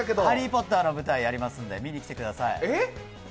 「ハリー・ポッター」の舞台やりますので見に来てください。